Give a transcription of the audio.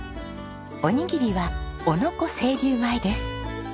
おにぎりは男ノ子清流米です。